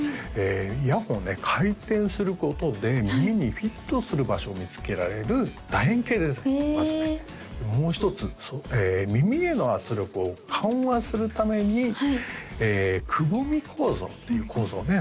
イヤホンをね回転することで耳にフィットする場所を見つけられる楕円形デザインまずねもう一つ耳への圧力を緩和するためにくぼみ構造という構造をね